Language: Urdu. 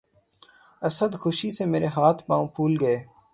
اسد! خوشی سے مرے ہاتھ پاؤں پُھول گئے